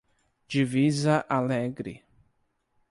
Divisa Alegre